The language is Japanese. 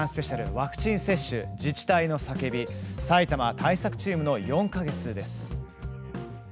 「ワクチン接種自治体の叫び埼玉対策チームの４か月」。